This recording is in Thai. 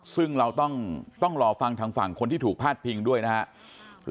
ซึ่งเราต้องรอฟังทางฝั่งคนที่ถูกพาดพิงด้วยนะครับ